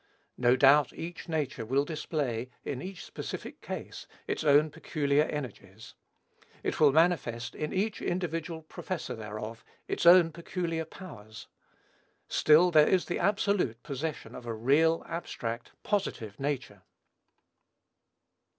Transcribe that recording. No doubt, each nature will display, in each specific case, its own peculiar energies; it will manifest, in each individual possessor thereof, its own peculiar powers. Still, there is the absolute possession of a real, abstract, positive nature.